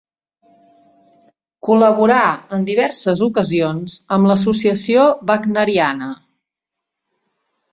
Col·laborà en diverses ocasions amb l'Associació Wagneriana.